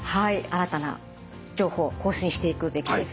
新たな情報更新していくべきですね。